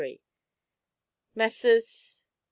'"MESSRS.